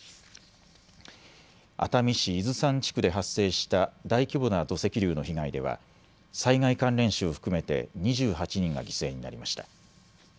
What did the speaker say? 熱海市伊豆山地区で発生した大規模な土石流の被害では災害関連死を含めて２８人が犠牲になりました。